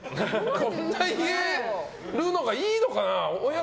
こんなに言えるのがいいのかな？